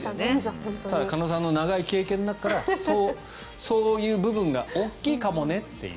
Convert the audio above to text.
ただ鹿野さんの長い経験の中からそういう部分が大きいかもっていう。